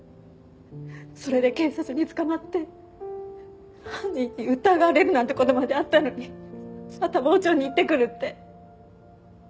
それで警察に捕まって犯人に疑われるなんて事まであったのにまた傍聴に行ってくるって。